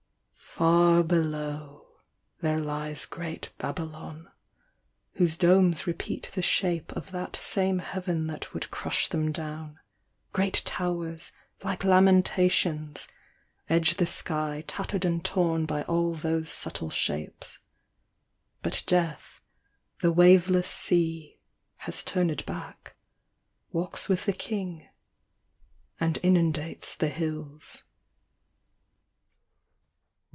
Far below, there lies ibylon, whose domes repeat the shape Of that same heaven that would crush them down. towers, Like lamentations, edge the sky Tattered and torn by all those subtle shapes. — But death, the waveless sea, has turned back, Walks with the King, and inundates the hills.